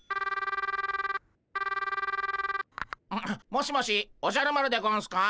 ☎もしもしおじゃる丸でゴンスか？